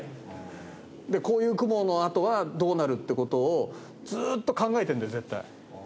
でこういう雲のあとはどうなるって事をずーっと考えてるんだよ絶対。